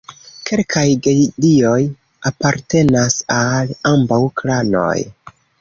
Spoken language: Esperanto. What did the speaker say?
Kelkaj gedioj apartenas al ambaŭ klanoj.